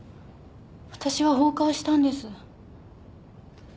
私は放火をしたんです。